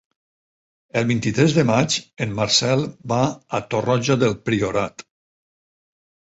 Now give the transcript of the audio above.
El vint-i-tres de maig en Marcel va a Torroja del Priorat.